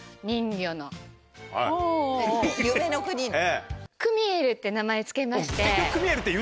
夢の国の。